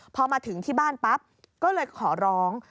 พอมาถึงที่บ้านปั๊บก็เลยขอร้อง